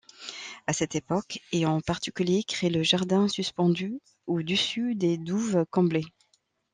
À cette époque est en particulier créé le jardin suspendu au-dessus des douves comblées.